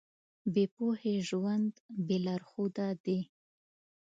بې پوهې ژوند بې لارښوده دی.